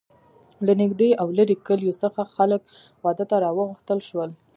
له نږدې او لرې کلیو څخه خلک واده ته را وغوښتل شول.